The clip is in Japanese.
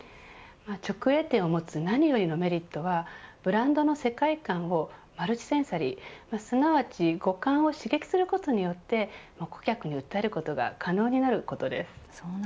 直営店を持つ何よりのメリットはブランドの世界観をマルチセンサリーすなわち五感を刺激することによって顧客に訴えることが可能になることなんです。